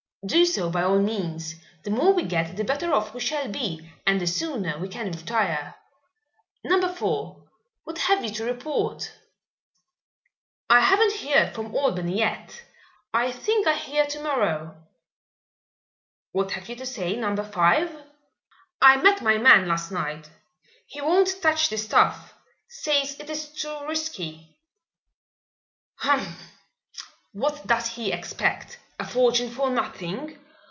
"Do so by all means. The more we get the better off we shall be and the sooner we can retire. Number Four, what have you to report?" "I haven't heard from Albany yet. I think I'll hear to morrow." "What have you to say, Number Five?" "I met my man last night. He won't touch the stuff says it is too risky." "Humph! What does he expect? A fortune for nothing?